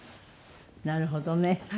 なるほどね。